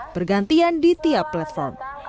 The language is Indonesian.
bergantian di tiap platform